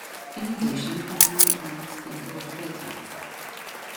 In addition, automatic modes tend to work better.